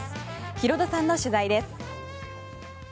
ヒロドさんの取材です。